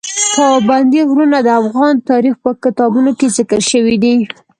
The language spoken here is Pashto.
پابندی غرونه د افغان تاریخ په کتابونو کې ذکر شوی دي.